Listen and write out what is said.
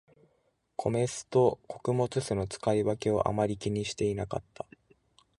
米酢と穀物酢の使い分けをあまり気にしてなかった